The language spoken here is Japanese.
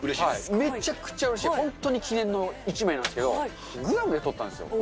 めちゃくちゃうれしい、本当に記念の一枚なんですけど、グアムで撮ったんですよ。